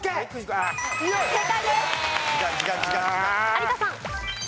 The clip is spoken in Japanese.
有田さん。